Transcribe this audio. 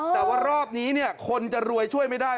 แต่ว่ารอบนี้คนจะรวยช่วยไม่ได้